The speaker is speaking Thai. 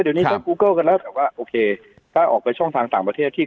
เดี๋ยวนี้ก็กูเกิ้ลกันแล้วแต่ว่าโอเคถ้าออกไปช่องทางต่างประเทศที่